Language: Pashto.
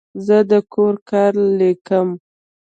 زه د کور کار لیکم.